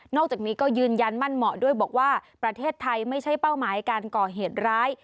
จากนี้ก็ยืนยันมั่นเหมาะด้วยบอกว่าประเทศไทยไม่ใช่เป้าหมายการก่อเหตุร้าย